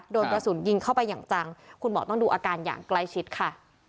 โดนกระสุนยิงเข้าไปอย่างจังคุณหมอต้องดูอาการอย่างใกล้ชิดค่ะ